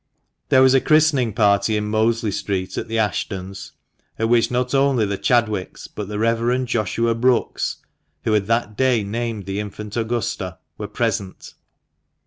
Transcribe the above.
There was a christening party in Mosley Street, at the Ashtons', at which not only the Chadwicks, but the Rev. Joshua Brookes — who had that day named the infant Augusta — were present.